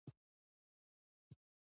احمد ټوله ورځ دورې دورې کېږي.